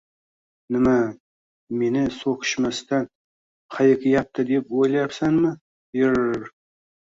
– Nima, meni so‘qishmadan hayiqyapti deb o‘ylayapsanmi? Irrrr!